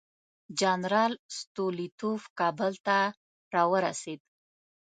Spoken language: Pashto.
جنرال ستولیتوف کابل ته راورسېد.